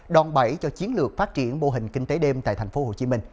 đòn bẩy cho chiến lược phát triển mô hình kinh tế đêm tại tp hcm